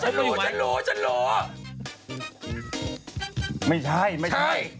หัวฉันรู้ฉันรู้